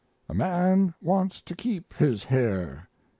A man wants to keep his hair.